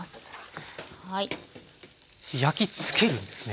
焼きつけるんですね。